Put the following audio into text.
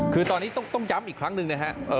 คือตอนนี้ต้องย้ำอีกครั้งหนึ่งนะฮะ